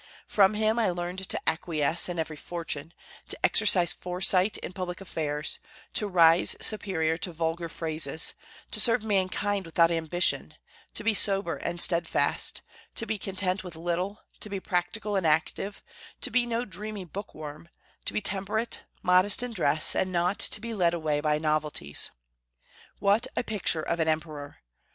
From him I learned to acquiesce in every fortune, to exercise foresight in public affairs, to rise superior to vulgar praises, to serve mankind without ambition, to be sober and steadfast, to be content with little, to be practical and active, to be no dreamy bookworm, to be temperate, modest in dress, and not to be led away by novelties." What a picture of an emperor!